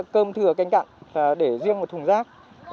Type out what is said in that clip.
cơm thừa canh cặn để riêng một thùng rác